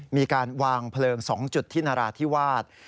มีการวางเผลอสองจุดทินราดที่วาด